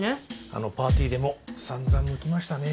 あのパーティーでも散々むきましたね。